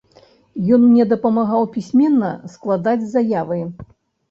Ён мне дапамагаў пісьменна складаць заявы.